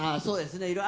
そうですね